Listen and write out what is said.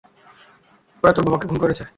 ওরা তোর বাবাকে খুন করেছে।